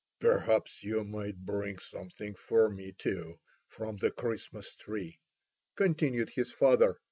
"Perhaps you might bring something for me too from the Christmas tree," continued his father.